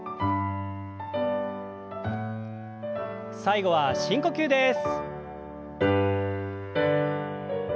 最後は深呼吸です。